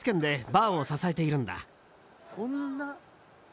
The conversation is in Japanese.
そんな。